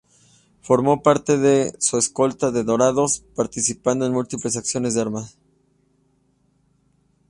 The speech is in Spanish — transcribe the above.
Formó parte de su escolta de ""Dorados"", participando en múltiples acciones de armas.